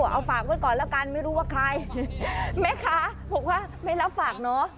เอาฝากไว้ก่อนแล้วกันไม่รู้ว่าใครแม่ค้าบอกว่าไม่รับฝากเนอะ